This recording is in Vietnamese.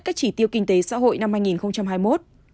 các chỉ tiêu kinh tế xã hội năm hai nghìn hai mươi một